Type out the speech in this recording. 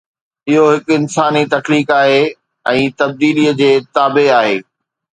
اهو هڪ انساني تخليق آهي ۽ تبديلي جي تابع آهي.